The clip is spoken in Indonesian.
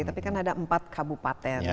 tapi kan ada empat kabupaten